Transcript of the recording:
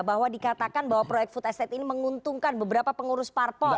bahwa dikatakan bahwa proyek food estate ini menguntungkan beberapa pengurus parpol